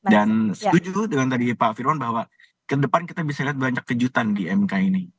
dan setuju dengan tadi pak firwan bahwa ke depan kita bisa lihat banyak kejutan di mk ini